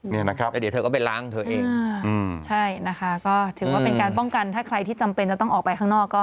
นี่นะครับอืมใช่นะคะก็ถือว่าเป็นการป้องกันถ้าใครที่จำเป็นจะต้องออกไปข้างนอกก็